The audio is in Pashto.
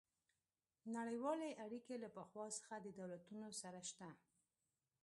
نړیوالې اړیکې له پخوا څخه د دولتونو سره شته